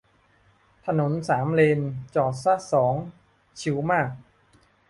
ถนนสามเลน จอดซะสอง ชิลมาก